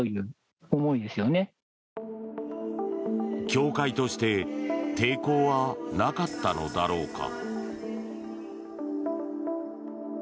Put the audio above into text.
教会として抵抗はなかったのだろうか。